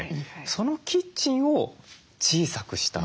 そのキッチンを小さくした。